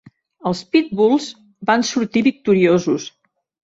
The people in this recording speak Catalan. Els Pitbulls van sortir victoriosos.